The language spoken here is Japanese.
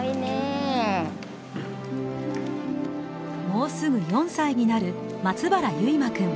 もうすぐ４歳になる松原唯真くん。